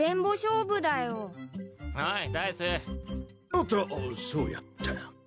おっとそうやった。